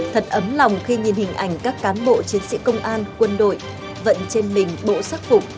thật ấm lòng khi nhìn hình ảnh các cán bộ chiến sĩ công an quân đội vận trên mình bộ sắc phục